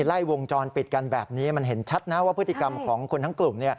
ไล่วงจรปิดกันแบบนี้มันเห็นชัดนะว่าพฤติกรรมของคนทั้งกลุ่ม